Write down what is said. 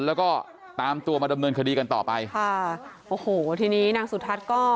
แล้วก็ตามตัวมาดำเนินคดีกันต่อไปค่ะโอ้โหทีนี้นางสุทัศน์ก็